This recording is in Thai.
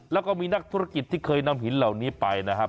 แล้วก็มีนักธุรกิจที่เคยนำหินเหล่านี้ไปนะครับ